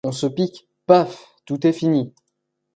On se pique, paf ! tout est fini.